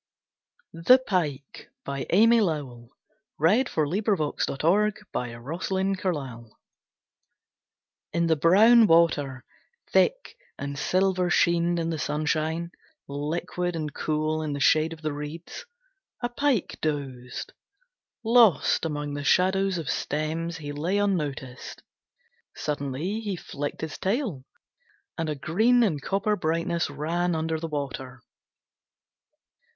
teps light Guided by the radiant boon Of a sickle shaped new moon. The Pike In the brown water, Thick and silver sheened in the sunshine, Liquid and cool in the shade of the reeds, A pike dozed. Lost among the shadows of stems He lay unnoticed. Suddenly he flicked his tail, And a green and copper brightness Ran under the water.